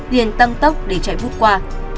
liền tăng tốc để chạy vút qua